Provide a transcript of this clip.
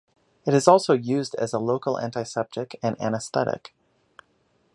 It is also used as a local antiseptic and anaesthetic.